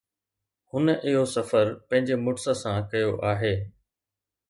هن اهو سفر پنهنجي مڙس سان ڪيو آهي